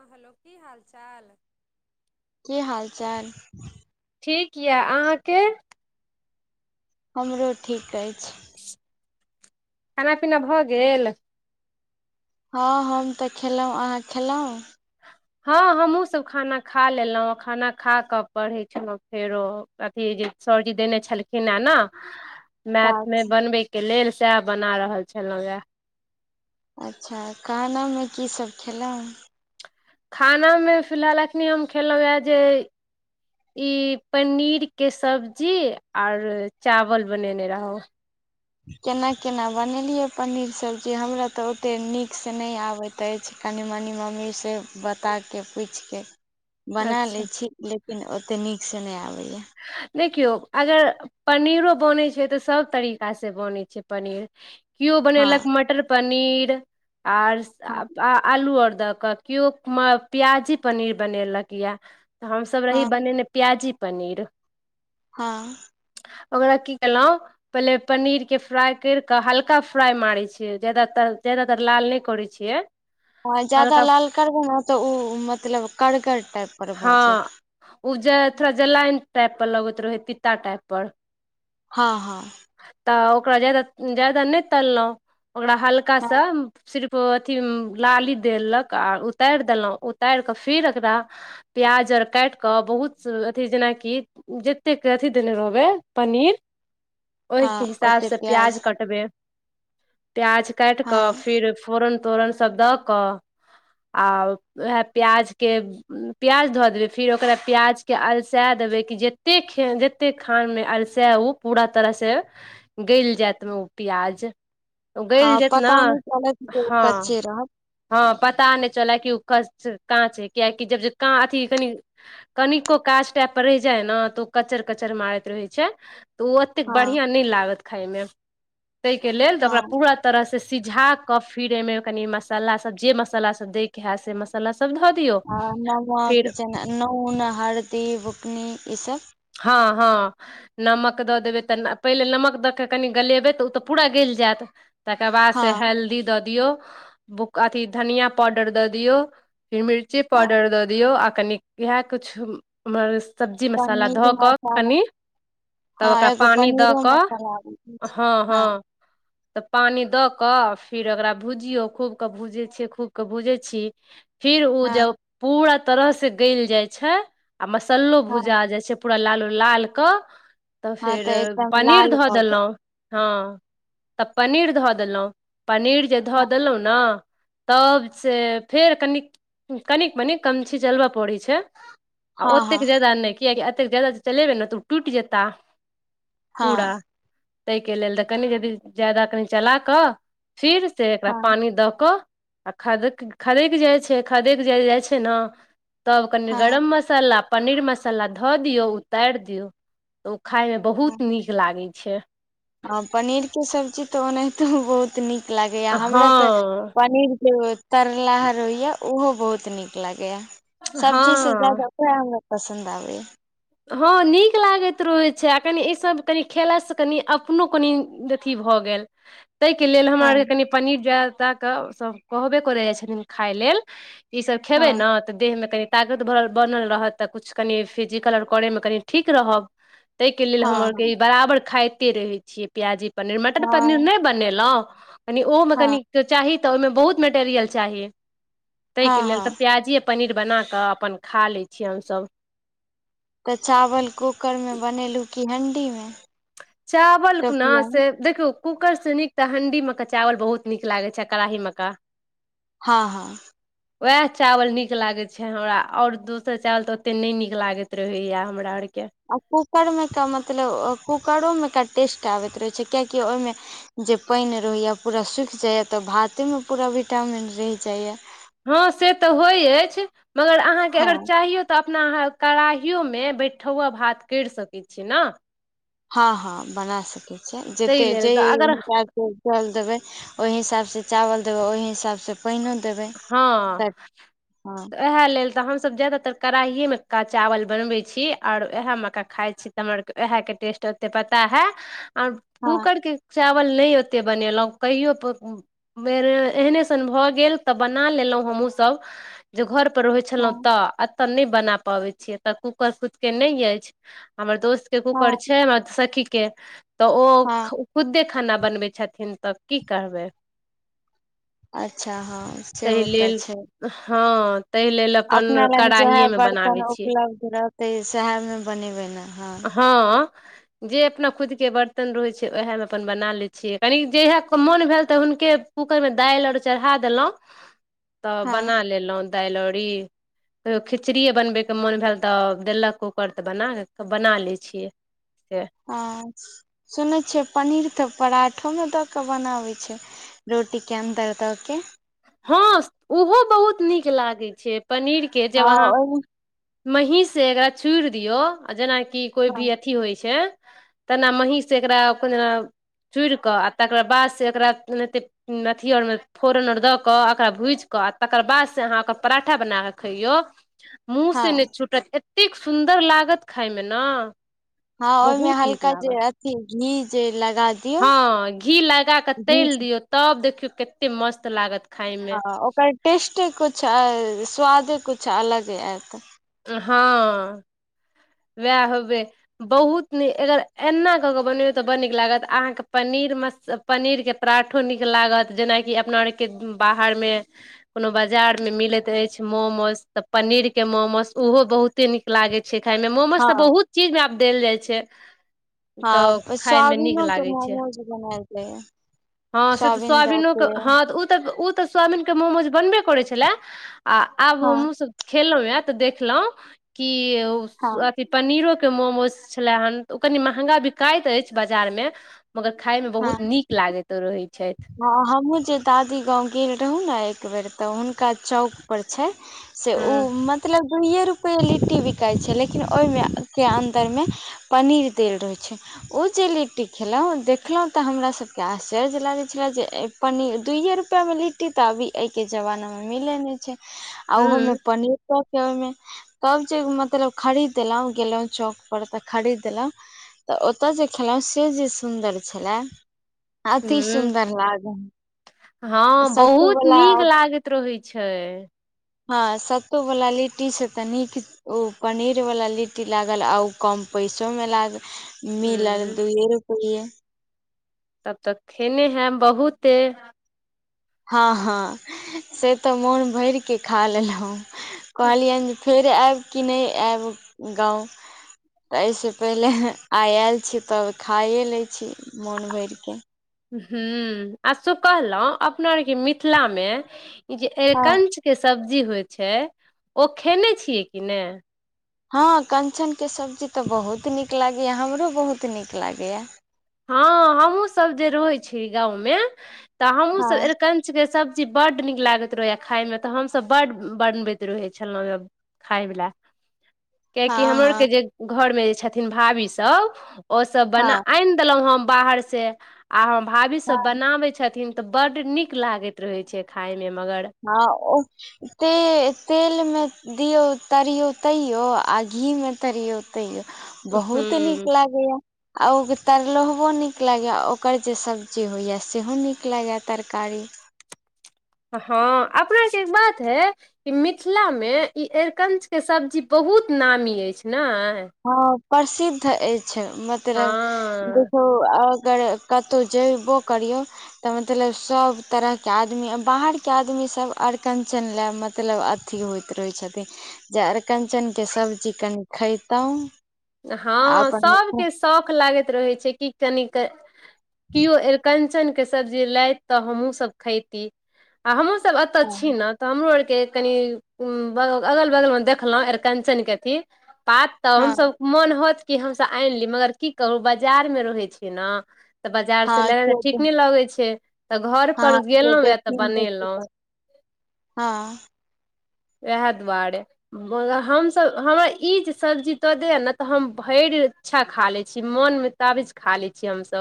हँ हेलो की हाल चाल की हालचाल ठीक यऽ अहाँके हमरो ठीक अछि खाना पीना भऽ गेल हँ हम तऽ खेलहुँ अहाँ खेलहुँ हँ हमहुँ सब खाना खा लेलहुँ खाना खा कऽ पढ़ै छलहुँ फेरो अथी जे सरजी देने छलखिन हें न [inaudible] मैथ मे बनबै के लेल सेह बना रहल छलहुँ ये अच्छा खाना मे की सब खेलहुँ खानामे फिलहाल अखने हम खेलहुँ ये जे ई पनीर के सब्जी और चावल बनेने रहौं केना केना बनेलियै पनीर के सब्जी हमरा तऽ ओते नीक से नहि आबैत अछि कनि मनि मम्मी से बताके पूछिके बना अच्छा लैत छी लेकिन ओते नीकसँ नहि आबैयै देखियौ अगर पनीरो बनै छै तऽ सब तरीका से बनै छै पनीर कियो हँ बनेलक मटर पनीर आर हँ आलू आओर दऽ कऽ कियो प्याजी पनीर बनेलक ये तऽ हमसब रही हँ बनेने प्याजी पनीर हँ ओकरा की केलौं पहिले पनीर के फ्राइ करि कऽ हल्का फ्राइ मारै छियै ज्यादातर ज्यादातर लाल नहि करै छियै आ ज्यादा हल्का लाल करबै ने तऽ ओ मतलब करगर टाइप पर भऽ हँ जायत उ जे थोड़ा जलाइन टाइपर लगैत रहै तीता टाइप पर हँ हँ तऽ ओकरा ज्यादा ज्यादा नहि तललहुँ ओकरा हल्का हँ सा सिर्फ अथि लाली देलक आ उतारि देलहुँ उतारि कऽ फीर ओकरा प्याज आर काटि कऽ बहुत अथि जेनाकि जतेक अथी देने रहबै पनीर ओहिके हँ ओते हिसाबसँ प्याज कटबै प्याज काटि हँ कऽ फिर फोरन तोरन सब दऽ कऽ आ उएह प्याज के प्याज धऽ देबै फेर ओकरा प्याज के अलसा देबै कि जतेक खे जते कते खान मे अलसे ओ पूरा तरह से गैल जेत मे ओ प्याज ओ गैल हँ जेत न पता नहि चलत जे ओ हँ कच्चे रहत हँ पता नहि चलै कि ओ [unintelligible] कच्च काँच हय कियेकि जब जे काँ अथी कनी कनिको काँच टाइप पर रहि जाय हय न तऽ ओ कचर कचर मारैत रहै छै तऽ ओ ओतेक हँ बढ़ियाँ नहि लागत खायमे तहि के लेल तऽ हँ ओकरा पूरा तरह से सिझा के फिर एमे कनि मसाला सब जे मसाला सब दय के हेत से मसाला सब ध आ नमक कि जेना नून हरदी बुकनी ई सभ हँ हँ नमक दऽ देबै तऽ पहिले नमक दऽ क कनि गलेबै तऽ ओ तऽ पूरा गैल जेत तकर बाद हँ से हेल्दी दऽ दियौ अथी धनिया पाउडर दऽ दियऔ फेर मिर्ची हँ पाउडर दऽ दियऔ आ कनि इएह किछु सब्जी मसाला पनीर धऽ कऽ मसाला कनि तब हँ ओकरा एगो पानि दऽ पनीरो कऽ मसाला आबै छै हँ हँ तऽ पानि दऽ कऽ फेर ओकरा भुजियौ खूब के भूजै छीयै खूब के भूजै छी फिर ओ जब हँ पूरा तरह से गल जाइ छै आ मसल्लो हँ भुजा जाइ छै पूरा लालू लाल कऽ तऽ हँ फेर एकदम पनीर लाल धऽ भऽ गेल देलहुँ हँ तऽ पनीर धऽ देलहुँ पनीर जे धऽ हँ देलहुँ ने तब से फेर कनि कनिक मनिक कम छी जलबय पड़ी छै आ ओतेक हँ ज्यादा नहि किएकि एतेक ज्यादा जे चलेबै न तऽ ओ टूटि जेताह पूरा हँ ताहिके लेल तऽ कनि यदि ज्यादा कनि चला कऽ फिर से एकरा हँ पानी दऽ कऽ आ खद खदकि जाइ छै खदक जाल जाइ छै ने तब कनि हँ गरम मसाला पनीर मसाला धऽ दियौ उतारि दियौ ओ खायमे बहुत नीक लागे छै ह पनीर के सब्जी तऽ ओनाहिते बहुत बत नीक लागैया हमरा तऽ हँ पनीर जे तरला हर होइ या ऊहो बहुत नीक लागे या सब्जी से हँ ज्यादा क हमरा पसन्द आबै हँ नीक लागैत रहैत छै आ कनि ईसभ कनी खेलास से कनि अपनो कनि अथी भऽ गेल [inaudible] ताहिके लेल हमरा हँ आरके कनि पनीर जयत कऽ सभ कहबे करय जाइ छथिन खााय लेल ई सब खेबे हँ ने ते देह में कनी तागत बनल रहत त कुछ कनि फिजिकल आर त [inaudible] हँ पनीर मटर पनीर हँ नहि बनेलहुं कनि ओहो मे कनि हँ ची तऽ ओहिमे बहुत मेटेर चाही हँ ताहिके लेल त हँ प्य पनीर बनाकऽ अपन खा लै छी हमसभ तऽ चावल कूकर में बनेलू की हणडी मे चावलके न टोपिया मे से देखिय कुकरसँ नीक तऽ हंडी मेक चावल बहुत नीक लागैत छै कड़ाही मे क हँ हँ वएह चावल नीक लागैत छै हमरा आओर दोसर चावल तऽ ओतेक नहि नीक लागैत रहैया हमरा आरके आ कूकरमे क मतलब कूकरोमे एक टेस्ट आबैत रहैत छै किियकि ओहिमे जे पानि रहैए पूरा सूखि जाइए तऽ भातेमे पूरा विटामिन रहि जाइए हँ से तऽ होय अछि मगर अहाँके अगर हँ चाहियो तऽ अपना अहाँ कड़ाहियो मे बैठौआ भात करि सकैत छीियै ने हँ हँ बना सकैत छै ताहि जते लेल जे तऽ अगर हनका जल देबे ओहि हिसाब से चावल देबै ओहि हिसाब से पानओ देबै हँ तऽ हँ इएह लेल तऽ हमसब जादातर कड़ाहिएमे क चावल बनबै छी आओर वएहमेक खाइ छी र उएहके टेस्ट ओते पता है आर हँ कूकर के चावल नहि ओतेक बनेलहुँ कहियो बेर एहने सन भऽ गेल तऽ बना लेलहुं हमहु सब जे घर पर रहै छलहुँं हँ तऽ बना पै छीऽ कूकर खुद के नहि अछि हमर दोस्त हँ कूकर छै हमरा सखी के तऽ ओ हँ खुद्दे खाना बनबै छथिन तऽ की करबै अच्छा हँ ताहि सेहो तऽ लेल छै हँ ताहि लेल अपन अपना लग जएह कड़ाहिए मे बर्तन बनाबै छियै उपलब्ध रहतै सएह मे बनेबै न हँ जे अपना खुद के बर्तन रहै छै ओएहे मे अपन बना ले छियै कनी जे मोन भेल तऽ हुनके कूकरमे दालि आउर चढ़ा देलहुँ तऽ हँ बना लेलहुँ दालि अरी कहियो खिचड़िए बनबैके मोन भेल तऽ देलक कूकर तऽ बना बना लै छियै से हँ सुनै छियै पनीर तऽ पराठोमे दऽ कऽ बनाबै छै रोटीके अन्दर दऽ के हँ ओहो बहुत नीक लागै छै पनीरके जब हँ अहाँ ओहि महीँसँ एकरा छुड़ि दियौ आ जेनाकि कोइ हँ भी अथी होय छै तेना महीं से एकरा को जे चूड़िके आ तकरा बाद से एकरा एते अथी आर मे फोरन आर दऽ कऽ ओकरा भूजि कऽ आ तकर बाद से अहाँ ओकर पराठा बना क खैयो मुँह हँ से नहि छूटत एतेक सुन्दर लागत खायमे ने हँ ओहिमे बहुत नीक हल्का जे लागल अथी घी जे लगा दियौ हँ घी लगा कऽ घी तलि से दियौ तब देखियौ कतेक मस्त लागत खायमे ह ओकर टेस्टे कुछ आर स्वादे कुछ अलग आयत हँ वएह हबे बहुत नीक अगर एना कऽ कऽ बनेबै तऽ बड़ नीक लागत अहाँके पनीर म पनीरके पराठो नीक लागत जेनाकि अपना आरके बाहरमे कोनो बाजार मे मिलैत रहै छै मोमोस तऽ पनीर के मोमोस उहो बहुते नीक लागे छै खाय मे मोमोज तऽ हँ बहुत चीज मे आब देल जाय छै तऽ हँ खाय मे नीक स्वाबिनो के लागे छै मोमोज बनाएल जाइय हँ से तऽ सोायाबीनो के हँऽ ओ तऽ त स्वाबीन के मोमोज बनबे करै छले आ आब हँ हम सब खेलौ हे तऽ देखलहुँ कि हँ कि पनीरोके मोमोज छलेए हन तऽ ओ कनि महँंगा बिकाइत अछि बाजारमे मगर खाय मे बहुत नीक लागैत रहै छै ह हमहूँ जे दादी गाँंव गेल रहु न एक बेर तऽ हुनका चौक पर छै से ओ हूं मतलब दुइए रुपैए लिट्टी बिकाइ छै लेकिन ओहि के अन्दरमे पनीर देल रहे छै ओ जे लिट्टी खेलौ देखलहुँ तऽ हमरा सबके आश्चर्य लागैत छले जे पनीर दुइए रुपआ मे लिट्टी तऽ अभी एय के जमाना में मिले नहि छै आ ओहो में हूं पनीर चौ ओहिमे तब जे मतलब खरीद देलौ गेलौ चौक पर तऽ खरीदलौ तऽ ओतय जे खेलौ से जे सुन्दर छले अति हूं सुन्दर लागल हँ सत्तू बहुत वला नीक लागैत रहय छै हँ सत्तू वला लिट्टी से तऽ नीक ओ पनीरवला लिट्टी लागल आ ओ कम पैसोमे लागल मिलल हूं दुयए रुपैेये तब तऽ खेने हेब बहुते हँ हँ से तऽ मोन भरिके खा लेलहुँ कहलियनि जे फेर आएब कि नहि आएब गाँव तऽ एहिसँ पहिले आय आयल छी तब खाइए लै छी मोन भरिके ह आ स कहलौ अपना आओरके मिथिला मे जे हँ अरिकंच के सब्जी होय छै ओ खेने छियै कि ने हँ कञ्चनके सब्जी तऽ बहुत नीक लागैए हमरो बहुत नीक लागैए हँ हमहुं सब जे रहै छी गाँव मे तऽ हमहु सब हँ अरिकंचन किछके सब्जी बड्ड नीक लागैत रहैएा खायमे तऽ हमसभ बड्ड बनबैत रहैत छलौ खायबला कियाकि हँ हमरो आरके हँ जे घरमे जे छथिन भाभीसभ ओसभ बना हँ आनि देलहुं हम बाहर से आ हम भाभी सब हँ बनाबै छथिन तऽ बड नीक लागैत रहे छै खाय मे मगर हँ ओ त तेल मे दियौ तरियौ तरौ आ घी मे तरियौ तैयो बहुत हूँ नीक लागैया आ ओ तरलोहबो नीक लगैए ओकर जे सब्जी होइए सेहो नीक लागैए तरकारी हँ अपना जे बात यै ई मिथिलामे ई अरिकंचके सब्जी बहुत नामी अछि नै हँ प्रसिद्ध अछि मतलब हँ देखौ अगर कतहु जेबो करियौ तऽ मतलब सभ तरहके आदमी बाहरके आदमीसभ अरकञ्चन लए मतलब अथी होइत रहे छथिन जे अरिकंचनक के सब्जी कनि खयतहु हँ सभके शौख लागैत रहै छै कि कनिक केओ अरिकंचनके सब्जी लथि तऽ हमहूँसभ खयती आ हमहुं सब एतऽ छी ने तऽ हमरो आर के कनि अगल बगल मे देखलहुं आरिकंचनक के की पात तऽ हँ हमसभ मोन होत कि हमसभ आनि ली मगर की कहू बाजारमे रहै छै ने तऽ बाजार से हँ लेइ त केओ ठीक ने लगे छै तऽ घर हँ पर केओ गेलहुॅं यए तऽ देखथिन की बनेलहुँं कर हँ वयह दुवारे ब हमसभ हमरा ई जे सब्जी दऽ दैय ने तऽ हम भरि अच्छा खा लैत छी मोनमे ताबज खा ले छियै हमस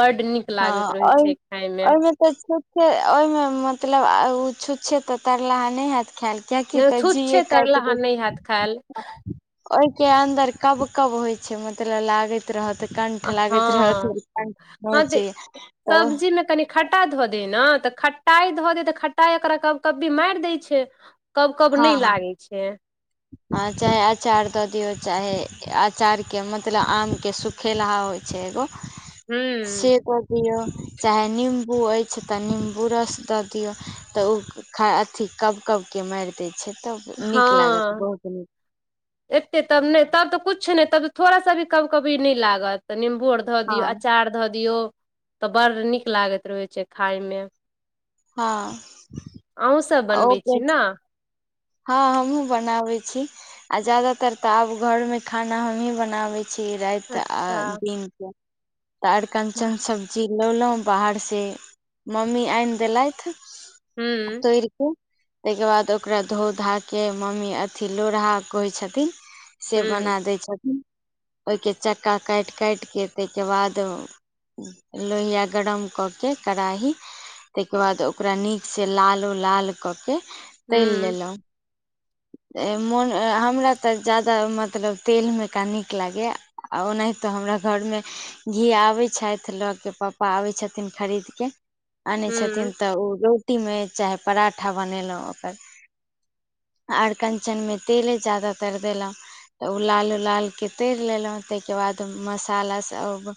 बड नीक हँ लागैत रहे ओहि छै खाय मे ओहिमे तऽ छुतछे ओहिमे मतलब ओ छुतछे तऽ तरलाहा नहि हयत खायल किया कि नहि कत छूत जी छै तरला अहाँ त नहि हैत खायल [unintelligible] ओहि के अन्दर कब कब होइ छै मतलब लागैत रह त कंठ लागैत रहत कठ सब्जी मे कनि खट्टा धऽ दे ने तऽ खट्टाइ धऽ दे तऽ खट्टाइ एकरा कब कब भी मारि दै छै कब कब नहि लागै छै आ चाहे अचार दऽ दियौ चाहे अचारके मतलब आमके सुखेलहा होइ छै एगो से हूँ कऽ दियऔ चाहे निम्बू अछि तऽ निम्बू रस दऽ दियौ तऽ ओ खा अथि कब कबकेँ मारि दैत छै तब हँ नीक लागत बहुत नीक एते तब ने तब तऽ कछु ने तब थोड़ा सा भी कब कभी नहि लागत निम्बो धऽ दियौ हँ अचार धऽ दियौ तऽ बड़ नीक लागैत रहैत छै खााय मे हँ अहुंसब बनबै ओके छी ने हँ हमहुं बनावे छी आ जादातर ते आब घर मे खाना हमही बनावे छी छी राति आ अच्छा दिन के तऽ वाह अरकञ्चन सब चिललौलहुँ बाहर से मम्मी आनि देलथि हूँ तोड़ि क ताहि केँ बाद ओकरा धो धा के मम्मी अथि लोढ़हा कहै छथिन से हूँ बना दै छथिन ओय के चक्का काटि काटि के तय के बाद लोहिया गरम कऽ केँ कढ़ाही तय के बाद ओकरा नीक से लालो लाल कऽ के तलि हूँ लेलहुँ मोन हमरा तऽ ज्यादा मतलब तेलमेका नीक लागैए आ ओनाहितो हमरा घर मे घी आबैत छथि लऽ के प्पा आबै छथिन खरीद के आनै छथिन हूँ तऽ ओ रोटी मे चाहे पराठा बनेलहुँ ओकर आरकञ्चन मे तेले ज्यदातर देलहुँ ओ लाले लाल के तरि लेलहुँ तै के बाद मसाला सब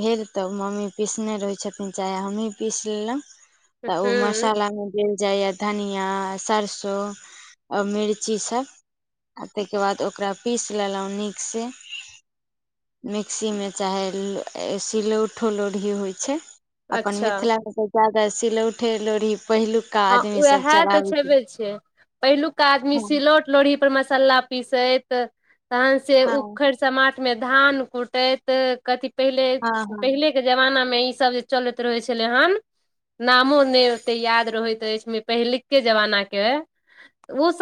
भेल तऽ मम्मी पीसने रहै छथिन चाहे हमहीँ पीस लेलहुँ तऽ ओ हूँ मसालामे देल जाइए धनियां सरसो [unintelligible] आ मिर्ची सब तैके बाद ओकरा पीस लेलहुँ नीक से मिक्सी मे चाहे सिलौठो लोढ़ी होइ छै अपन अच्छा मिथिला मे तऽ ज्यादा सिलौठे लोढ़ी पहिलुक हँ उएहे तऽ छैबे छियै पहिलुका आदमी हँ सिलौट लोढ़ी पर मसाला पीसैत तहन से हँ उखड़ि समाट मे धान कुटैत कथी पहिले हँ हँ पहिले जमाना मे ई सब जे चलैत रहय छलय हन नामो ने ओते याद रहै [unintelligible] तइछ मे पहिलिके जमाना के उ सब